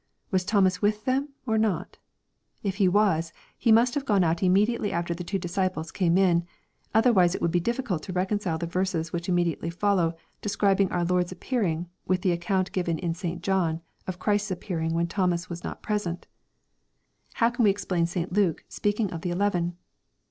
Was Thomas with them or not ? If he was, he must have gone out immediately after the two disciples came in. Otherwise it would be diflBcult to reconcile the verses which im mediately follow, describing our Lord's appearing, with the account given in St. John, of Christ's appearing when Thomas was not present. — If Thomas was not present on this occasion, how can we explain St. Luke, speaking of '' the eleven